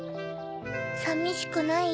さみしくない？